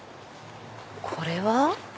これは？